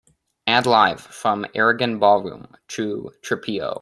Add Live from Aragon Ballroom to Trapeo